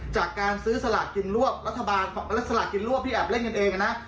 จากการซื้อสลากกินรวบรัฐบาลและสลากกินรวบที่แอบเล่นกันเองนะ